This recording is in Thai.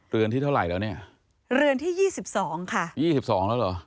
เรือนที่เท่าไหร่แล้วเนี่ยเรือนที่๒๒ค่ะ๒๒แล้วเหรอ